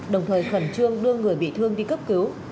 đồng thời khẩn trương đưa người bị thương đi cấp cứu